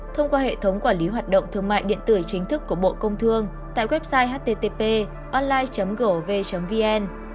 thông qua hệ thống quản lý hoạt động thương mại điện tử chính thức của bộ công thương tại website http online gov vn